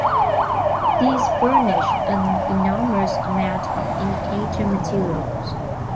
These furnish an enormous amount of indicator material.